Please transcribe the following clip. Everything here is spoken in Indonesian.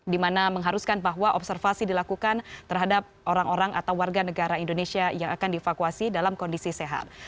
di mana mengharuskan bahwa observasi dilakukan terhadap orang orang atau warga negara indonesia yang akan dievakuasi dalam kondisi sehat